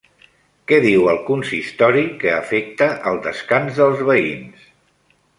Què diu el consistori que afecta el descans dels veïns?